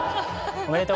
おめでとう。